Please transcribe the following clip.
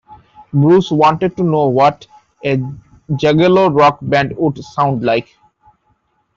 Bruce wanted to know what a "Juggalo Rock" band would sound like.